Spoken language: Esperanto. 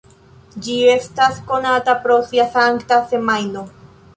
Ĝi estas konata pro sia Sankta Semajno.